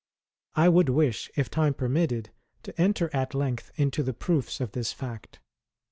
I would wish, if time per mitted, to enter ai length into the proofs of this fact.